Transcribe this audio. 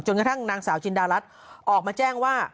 กระทั่งนางสาวจินดารัฐออกมาแจ้งว่า